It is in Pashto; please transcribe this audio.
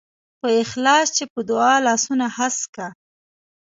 په اخلاص چې په دعا لاسونه هسک کا.